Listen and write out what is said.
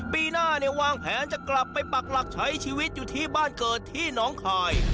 ปีหน้าเนี่ยวางแผนจะกลับไปปักหลักใช้ชีวิตอยู่ที่บ้านเกิดที่น้องคาย